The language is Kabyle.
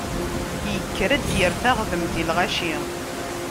Yekker ad d-yerr taɣdemt i lɣaci.